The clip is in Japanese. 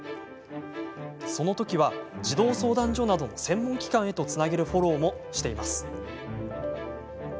そのときは児童相談所などの専門機関へとつなげるフォローもしています。